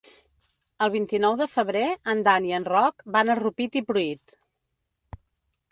El vint-i-nou de febrer en Dan i en Roc van a Rupit i Pruit.